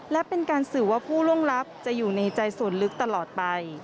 และเป็นการสื่อว่าผู้ล่วงลับจะอยู่ในใจส่วนลึกตลอดไป